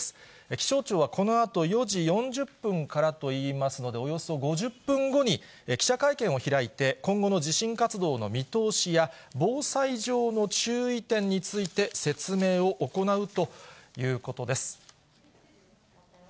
気象庁はこのあと、４時４０分からといいますので、およそ５０分後に記者会見を開いて、今後の地震活動の見通しや、防災上の注意点について説明を行うということです。